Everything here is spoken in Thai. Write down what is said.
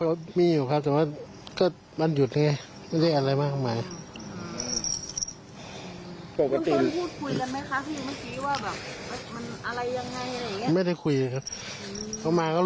ไม่ได้คุยครับเค้ามาก็รู้เลยเค้าเขาเสียงมาตั้งแต่เมื่อคืนนะครับ